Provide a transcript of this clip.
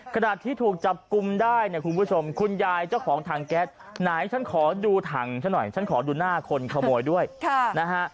ขณะที่ถูกจับกลุ่มได้เนี่ยคุณผู้ชมคุณยายเจ้าของถังแก๊สไหนฉันขอดูถังฉันหน่อยฉันขอดูหน้าคนขโมยด้วยนะฮะ